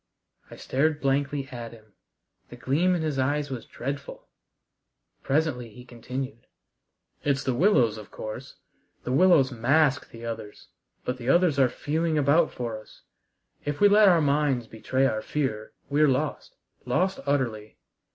I stared blankly at him. The gleam in his eyes was dreadful. Presently he continued. "It's the willows, of course. The willows mask the others, but the others are feeling about for us. If we let our minds betray our fear, we're lost, lost utterly."